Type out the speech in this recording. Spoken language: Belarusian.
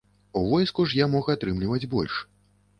У войску ж я мог атрымліваць больш.